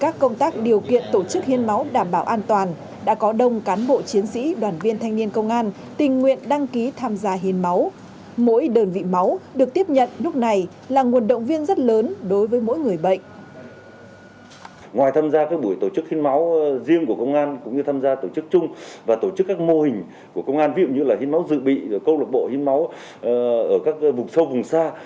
ngoài tham gia các buổi tổ chức hít máu riêng của công an cũng như tham gia tổ chức chung và tổ chức các mô hình của công an ví dụ như là hít máu dự bị câu lập bộ hít máu ở các vùng sâu vùng xa